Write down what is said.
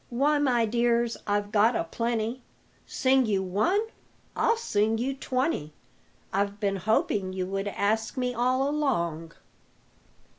"Why, my dears, I've got a plenty, Sing you one? I'll sing you twenty I've been hoping you would ask me all along."